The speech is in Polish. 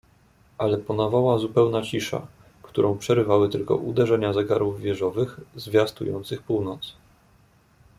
"Ale panowała zupełna cisza, którą przerywały tylko uderzenia zegarów wieżowych, zwiastujących północ."